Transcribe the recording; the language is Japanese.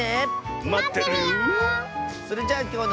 まってるよ！